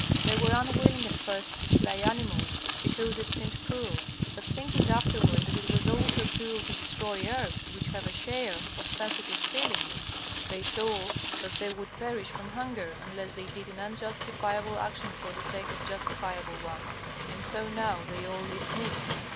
They were unwilling at first to slay animals, because it seemed cruel; but thinking afterward that is was also cruel to destroy herbs which have a share of sensitive feeling, they saw that they would perish from hunger unless they did an unjustifiable action for the sake of justifiable ones, and so now they all eat meat.